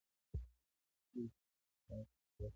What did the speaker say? که چېرې په احساساتو ډک اوسې .